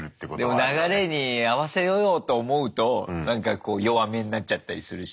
でも流れに合わせようと思うとなんかこう弱めになっちゃったりするし。